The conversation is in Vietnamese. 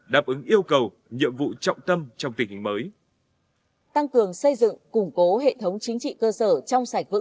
đáp ứng yêu cầu nhiệm vụ trọng tâm trong tình hình mới